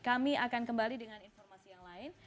kami akan kembali dengan informasi yang lain